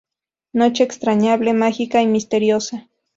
Noche entrañable, mágica y misteriosa.